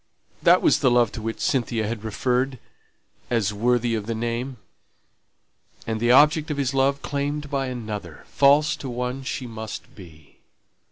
that was the love to which Cynthia had referred, as worthy of the name!) and the object of his love claimed by another false to one she must be!